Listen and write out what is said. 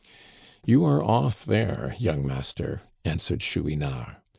^'" You are ofiP there, young master," answered Chouin ard.